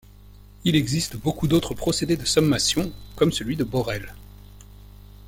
Il existe beaucoup d'autres procédés de sommation, comme celui de Borel.